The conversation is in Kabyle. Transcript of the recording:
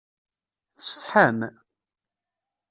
Tsetḥam?